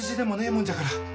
もんじゃから。